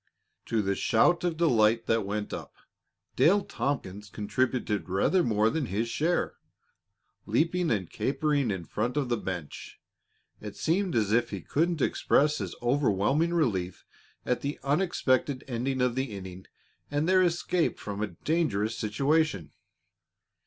To the shout of delight that went up, Dale Tompkins contributed rather more than his share. Leaping and capering in front of the bench, it seemed as if he couldn't express his overwhelming relief at the unexpected ending of the inning and their escape from a dangerous situation.